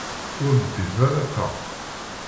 Ur leddit ara ṭṭaq.